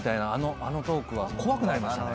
あのトークは怖くなりましたね。